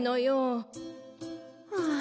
はあ。